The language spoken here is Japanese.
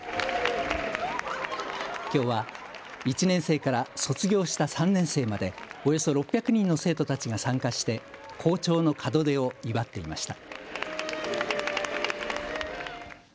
きょうは１年生から卒業した３年生までおよそ６００人の生徒たちが参加して校長の門出を祝っていました。